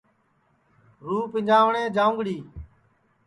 رُوح پِنجانٚوٹؔیں جاؤنٚگڑی